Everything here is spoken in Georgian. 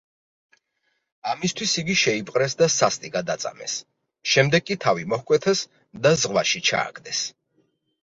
ამისთვის იგი შეიპყრეს და სასტიკად აწამეს, შემდეგ კი თავი მოჰკვეთეს და ზღვაში ჩააგდეს.